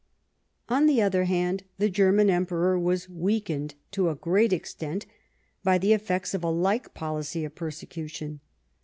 On the other hand, the German Emperor was weak ened to a great extent by the effects of a like policy of persecution.